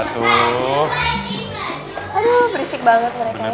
aduh berisik banget mereka